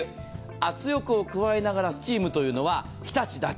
圧力を加えながらスチームというのは日立だけ。